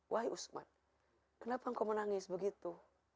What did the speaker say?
wahai usman kenapa engkau menangis begitu